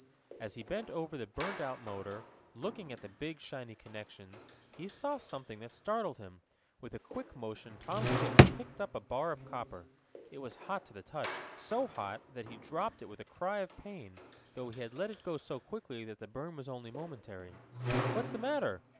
As he bent over the burned out motor, looking at the big shiny connections, he saw something that startled him. With a quick motion Tom Swift picked up a bar of copper. It was hot to the touch so hot that he dropped it with a cry of pain, though he had let go so quickly that the burn was only momentary. "What's the matter?"